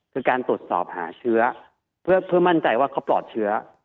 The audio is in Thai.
คือการตรวจสอบหาเชื้อเพื่อมั่นใจว่าเขาปลอดเชื้อ